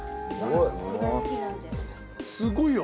すごいよ。